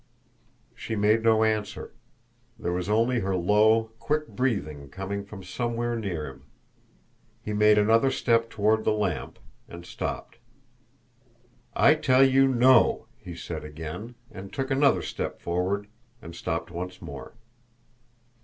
She made no answer. There was only her low, quick breathing coming from somewhere near him. He made another step toward the lamp and stopped. "I tell you, no!" he said again, and took another step forward and stopped once more.